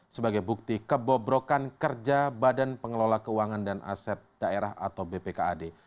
sebagai bukti kebobrokan kerja badan pengelola keuangan dan aset daerah atau bpkad